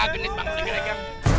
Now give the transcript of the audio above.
gini bangsa gereja